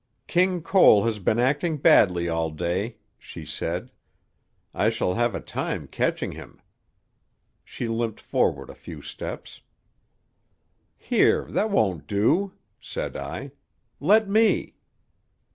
"King Cole has been acting badly all day," she said. "I shall have a time catching him." She limped forward a few steps. "Here, that won't do!" said I. "Let me."